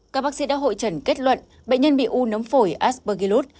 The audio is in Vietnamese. các bác sĩ đã hội trần kết luận bệnh nhân bị u nấm phổi asburgillus